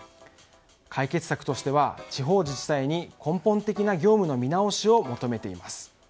解決策としては、地方自治体に根本的な業務の見直しを求めています。